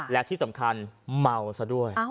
และที่สำคัญเมาซะด้วย